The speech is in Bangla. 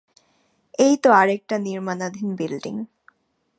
এইতো আরেকটা নির্মাণাধীন বিল্ডিং।